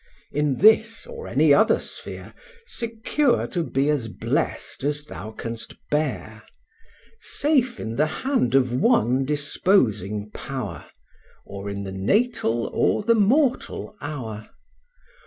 In this, or any other sphere, Secure to be as blest as thou canst bear: Safe in the hand of one disposing Power, Or in the natal, or the mortal hour.